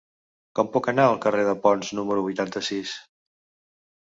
Com puc anar al carrer de Ponts número vuitanta-sis?